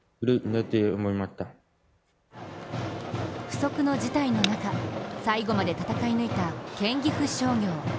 不測の事態の中、最後まで戦い抜いた県岐阜商業。